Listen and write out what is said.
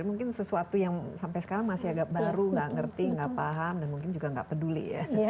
mungkin sesuatu yang sampai sekarang masih agak baru nggak ngerti nggak paham dan mungkin juga nggak peduli ya